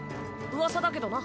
噂だけどな。